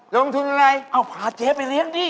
ลงทุนอะไรเอาพาเจ๊ไปเลี้ยงดิ